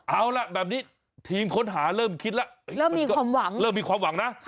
เอาละแบบนี้ทีมค้นหาเริ่มคิดแล้วเริ่มมีความหวังนะ